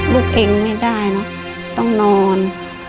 ลูกเองไม่ได้เนอะต้องนอน